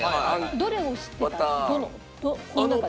どれを知ってたの？